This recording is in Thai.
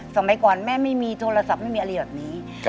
สมัยก่อนแม่ไม่มีโทรศัพท์ไม่มีอะไรแบบนี้